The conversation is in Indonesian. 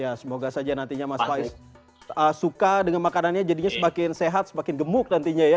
ya semoga saja nantinya mas fais suka dengan makanannya jadinya semakin sehat semakin gemuk nantinya ya